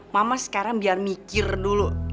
mama sekarang biar mikir dulu